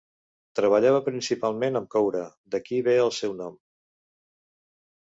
Treballava principalment amb coure, d'aquí ve el seu nom.